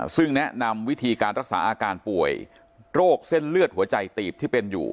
ซึ่งแนะนำวิธีการรักษาอาการป่วยโรคเส้นเลือดหัวใจตีบที่เป็นอยู่